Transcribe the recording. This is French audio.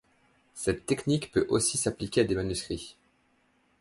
Cette technique peut aussi s'appliquer à des manuscrits.